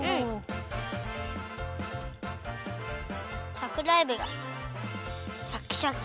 さくらえびがシャキシャキ。